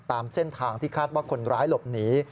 ตามเส้นทางที่คาดว่าคนร้ายหลบหนี